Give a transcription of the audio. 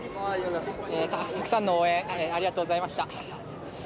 たくさんの応援ありがとうございました。